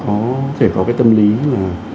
có thể có cái tâm lý là